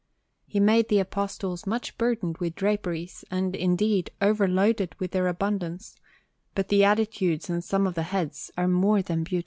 He made the Apostles much burdened with draperies, and, indeed, overloaded with their abundance; but the attitudes and some of the heads are more than beautiful.